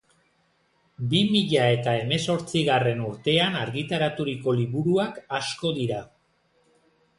Bi mila eta hemezortzigarren urtean argitaraturiko liburuak asko dira.